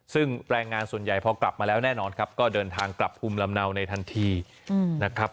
ซึ่งแรงงานส่วนใหญ่พอกลับมาแล้วแน่นอนครับก็เดินทางกลับภูมิลำเนาในทันทีนะครับ